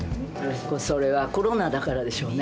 それはコロナだからでしょうね。